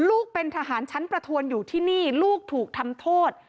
ลูกเป็นทหารชั้นประทวนอยู่ที่นี่ลูกถูกทำโทษ